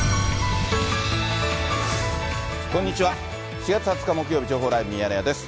４月２０日木曜日、情報ライブミヤネ屋です。